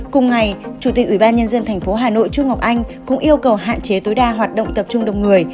cùng ngày chủ tịch ủy ban nhân dân tp hà nội trung ngọc anh cũng yêu cầu hạn chế tối đa hoạt động tập trung đông người